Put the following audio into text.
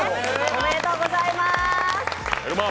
おめでとうございます！